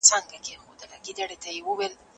ايا تېروتني تکرارېږي؟